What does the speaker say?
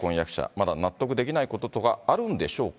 まだ納得できないことがあるんでしょうか。